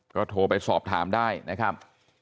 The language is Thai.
ก็โทรไปสอบถามได้นะครับ